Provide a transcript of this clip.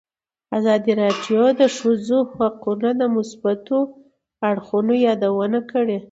ازادي راډیو د د ښځو حقونه د مثبتو اړخونو یادونه کړې.